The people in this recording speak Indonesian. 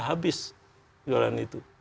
habis jualan itu